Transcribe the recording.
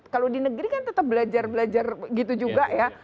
kalau di negeri kan tetap belajar belajar gitu juga ya